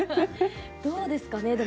どうですかね。